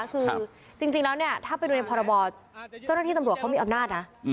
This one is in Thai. คือจริงแล้วเนี่ยถ้าไปดูในพรบเจ้าหน้าที่ตำรวจเขามีอำนาจนะ